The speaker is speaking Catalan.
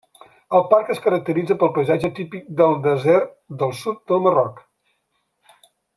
El parc es caracteritza pel paisatge típic del desert del sud del Marroc.